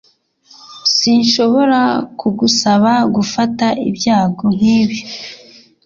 Sinshobora kugusaba gufata ibyago nkibi